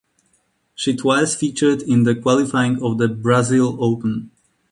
She twice featured in the qualifying of the Brasil Open.